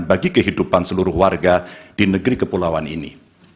bagi kehidupan seluruh warga di negeri kepulauan ini